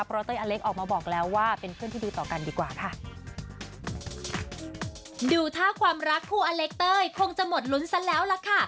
เพราะเต้ยอเล็กออกมาบอกแล้วว่าเป็นเพื่อนที่ดีต่อกันดีกว่าค่ะดูท่าความรักคู่อเล็กเต้ยคงจะหมดลุ้นซะแล้วล่ะค่ะ